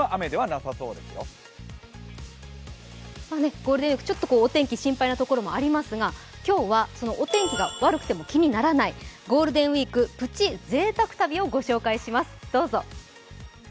ゴールデンウイーク、ちょっとお天気心配なところもありますが、今日はそのお天気が悪くても気にならないゴールデンウイーク、プチぜいたく旅行を御紹介します、どうぞ。